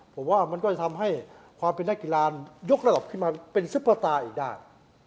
ผมว่ามันก็จะทำให้ความเป็นนักกีฬายกระดับขึ้นมาเป็นซุปเปอร์ตาร์อีกได้